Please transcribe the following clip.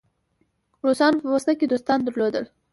روسانو په پوسته کې دوستان درلودل.